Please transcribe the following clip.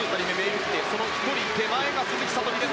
その１人手前が鈴木聡美です。